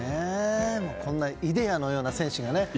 こんなイデアのような選手が。